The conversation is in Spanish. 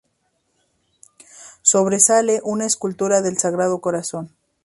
Sobresale una escultura del Sagrado Corazón.